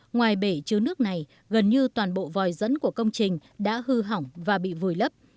ngoài bể chứa nước này gần như toàn bộ vòi dẫn của công trình đã hư hỏng và bị vùi lấp